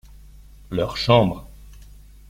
Leur chambre.